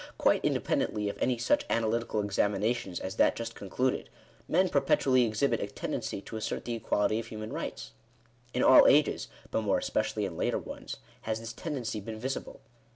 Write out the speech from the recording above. Quite independ ently of any such analytical examinations as that just con cluded, men perpetually exhibit a tendency to assert the equality of human rights. In all ages, but more especially in later ones, has this tendency been visible.